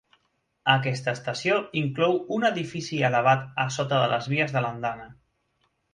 Aquesta estació inclou una edifici elevat a sota de les vies de l'andana.